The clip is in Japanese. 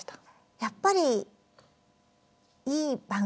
やっぱりいい番組。